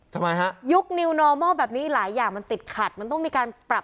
ทำไมฮะยุคนิวนอร์มอลแบบนี้หลายอย่างมันติดขัดมันต้องมีการปรับ